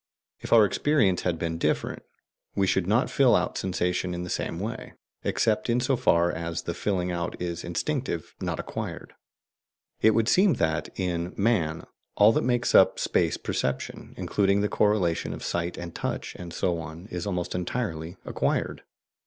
If our experience had been different, we should not fill out sensation in the same way, except in so far as the filling out is instinctive, not acquired. It would seem that, in man, all that makes up space perception, including the correlation of sight and touch and so on, is almost entirely acquired.